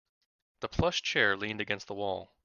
The plush chair leaned against the wall.